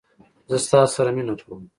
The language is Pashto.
زه ستا سره مینه کوم